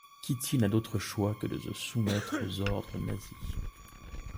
Kitty n'a d'autre choix que de se soumettre aux ordres nazis.